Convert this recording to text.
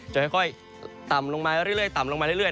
จะค่อยต่ำลงมาเรื่อยต่ำลงมาเรื่อย